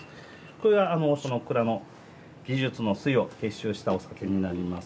これはその蔵の技術の粋を結集したお酒になります。